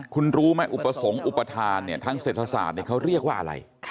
คุณรู้ไหมอุปสรรคอุปทานทางเศรษฐศาสตร์เขาเรียกว่าอะไร